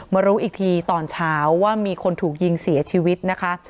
รู้อีกทีตอนเช้าว่ามีคนถูกยิงเสียชีวิตนะคะ